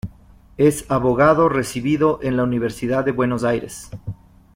Es abogado recibido en la Universidad de Buenos Aires